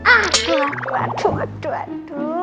aduh aduh aduh aduh